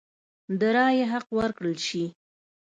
د رایې حق ورکړل شي.